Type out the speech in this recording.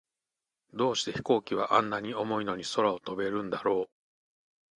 どうして飛行機は、あんなに重いのに空を飛べるんだろう。